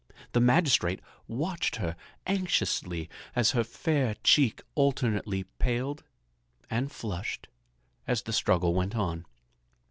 The magistrate watched her anxiously as her fair cheek alternately paled and flushed as the struggle went on.